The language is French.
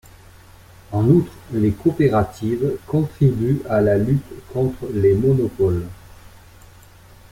En outre, les coopératives contribuent à la lutte contre les monopoles.